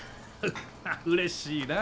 うれしいなぁ。